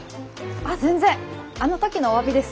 あ全然あの時のおわびです。